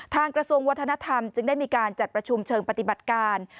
กระทรวงวัฒนธรรมจึงได้มีการจัดประชุมเชิงปฏิบัติการ